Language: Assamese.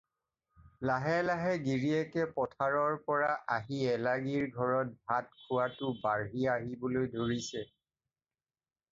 লাহে লাহে গিৰীয়েকে পথাৰৰ পৰা আহি এলাগীৰ ঘৰত ভাত খোৱাটো বাঢ়ি আহিবলৈ ধৰিছে।